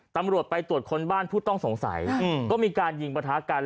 ตำรวจไปตรวจคนบ้านผู้ต้องสงสัยก็มีการยิงประทะกัน